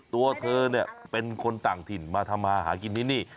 ตัวเธอเนี่ยเป็นคนต่างถิ่นมาทำมาหากินที่นี่